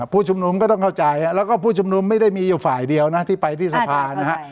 ผู้ชุมนุมก็ต้องเข้าใจแล้วก็ผู้ชุมนุมไม่ได้มีอยู่ฝ่ายเดียวนะที่ไปที่สภานะฮะ